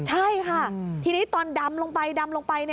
ใช่ค่ะทีนี้ตอนดำลงไป